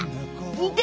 見て。